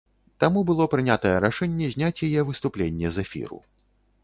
Таму было прынятае рашэнне зняць яе выступленне з эфіру.